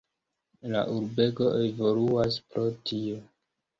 La urbego evoluas pro tio.